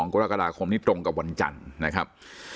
กรกฎาคมนี้ตรงกับวันจันทร์นะครับ